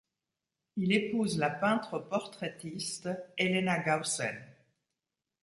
Il épouse la peintre portraitiste Elena Gaussen.